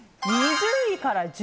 ２０位から１１位